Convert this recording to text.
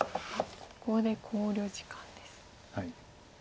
ここで考慮時間です。